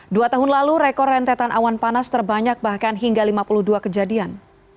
dua tahun lalu rekor rentetan awan panas terbanyak bahkan hingga lima puluh dua kejadian